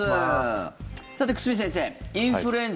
さて、久住先生インフルエンザ